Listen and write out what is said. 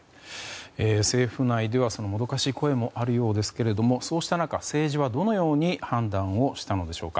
政府内ではもどかしい声もあるようですがそうした中、政治はどのように判断をしたのでしょうか。